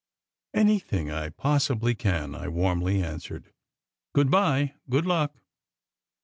"Anything I possibly can," I warmly answered. " Good bye! Good luck!"